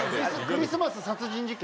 クリスマス殺人事件。